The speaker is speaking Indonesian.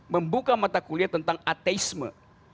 membuka mata kuliah tentang ateisme